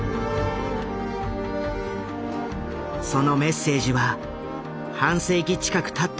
そのメッセージは半世紀近くたった